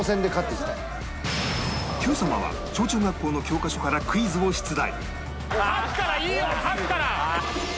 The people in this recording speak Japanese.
『Ｑ さま！！』は小中学校の教科書からクイズを出題